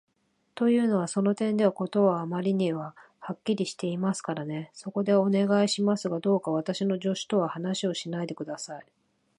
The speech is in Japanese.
というのは、その点では事はあまりにはっきりしていますからね。そこで、お願いしますが、どうか私の助手とは話をしないで下さい。